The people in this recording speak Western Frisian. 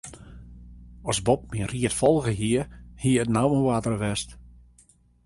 As Bob myn ried folge hie, hie it no yn oarder west.